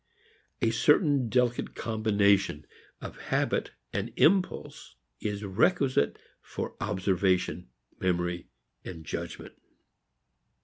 A certain delicate combination of habit and impulse is requisite for observation, memory and judgment.